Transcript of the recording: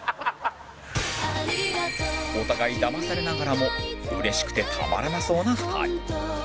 お互いだまされながらもうれしくてたまらなそうな２人